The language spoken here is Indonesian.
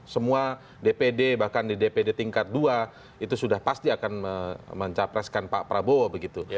semua dpd bahkan di dpd tingkat dua itu sudah pasti akan mencapreskan pak prabowo begitu